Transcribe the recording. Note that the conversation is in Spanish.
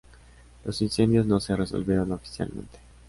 Los incendios no se resolvieron oficialmente.